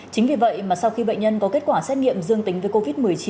chính vì vậy mà sau khi bệnh nhân có kết quả xét nghiệm dương tính với covid một mươi chín